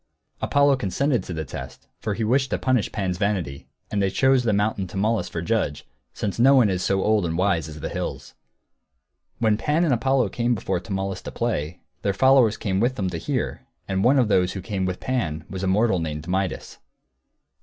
Apollo consented to the test, for he wished to punish Pan's vanity, and they chose the mountain Tmolus for judge, since no one is so old and wise as the hills. When Pan and Apollo came before Tmolus, to play, their followers came with them, to hear, and one of those who came with Pan was a mortal named Midas.